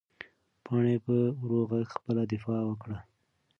پاڼې په ورو غږ خپله دفاع وکړه.